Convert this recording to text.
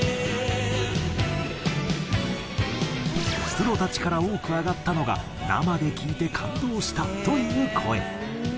プロたちから多く挙がったのが「生で聴いて感動した」という声。